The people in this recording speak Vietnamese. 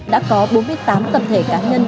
đã có bốn mươi tám tập thể cá nhân